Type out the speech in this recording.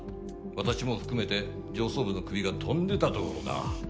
私も含めて上層部のクビが飛んでたところだ。